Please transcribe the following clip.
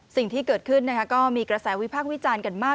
สิ่งที่เกิดขึ้นก็มีกระแสวิพากษ์วิจารณ์กันมาก